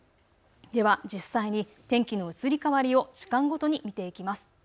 では実際に天気の移り変わりを時間ごとに見ていきます。